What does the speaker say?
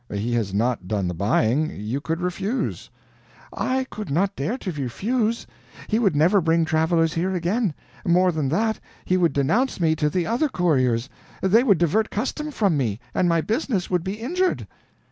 "He has not done the buying. You could refuse." "I could not dare to refuse. He would never bring travelers here again. More than that, he would denounce me to the other couriers, they would divert custom from me, and my business would be injured."